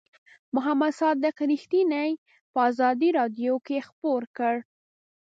محمد صادق رښتیني په آزادۍ رادیو کې خپور کړ.